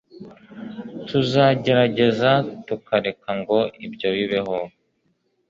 tuzagerageza kutareka ngo ibyo bibeho